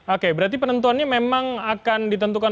oke berarti penentuannya memang akan ditentukan